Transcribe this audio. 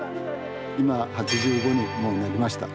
今、８５になりました。